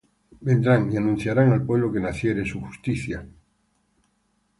Vendrán, y anunciarán al pueblo que naciere, Su justicia que él hizo.